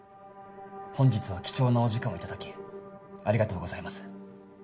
本日は貴重なお時間をいただきありがとうございます。